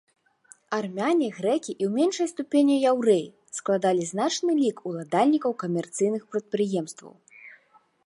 Армяне, грэкі і ў меншай ступені яўрэі складалі значны лік уладальнікаў камерцыйных прадпрыемстваў.